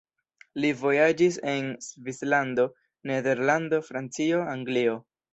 Li vojaĝis en Svislando, Nederlando, Francio, Anglio.